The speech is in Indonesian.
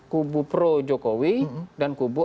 kubu pro jokowi dan kubu